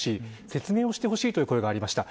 説明をしてほしいという声がありました。